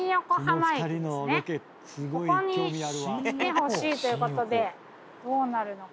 「ここに来てほしいということでどうなる」